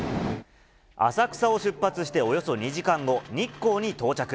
浅草を出発しておよそ２時間後、日光に到着。